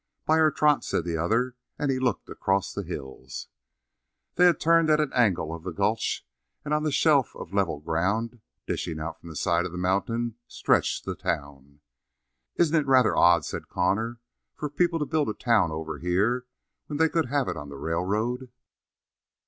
"By her trot," said the other, and he looked across the hills. They had turned an angle of the gulch, and on a shelf of level ground, dishing out from the side of the mountain, stretched the town. "Isn't it rather odd," said Connor, "for people to build a town over here when they could have it on the railroad?"